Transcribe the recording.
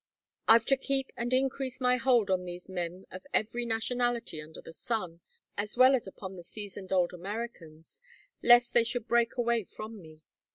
I've to keep and increase my hold on these men of every nationality under the sun, as well as upon the seasoned old Americans, lest they should break away from me.